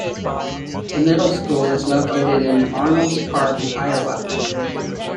The middle school is located in Arnolds Park, Iowa.